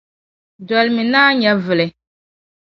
Dolimi naa nyɛvili.